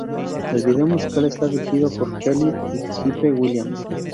El video musical está dirigido por Kelly y Hype Williams.